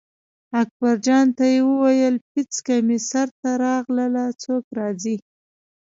اکبرجان ته یې وویل پیڅکه مې سر ته راغله څوک راځي.